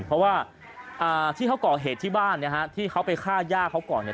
เพราะว่าที่เขาก่อเหตุที่บ้านที่เขาไปฆ่าย่าเขาก่อน